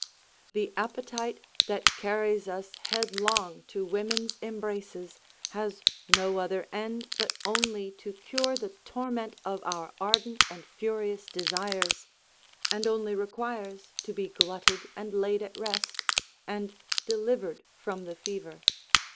The appetite that carries us headlong to women's embraces has no other end but only to cure the torment of our ardent and furious desires, and only requires to be glutted and laid at rest, and delivered from the fever.